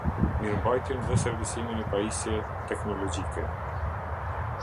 Mirëmbajtjen dhe servisimin e pajisje teknologjike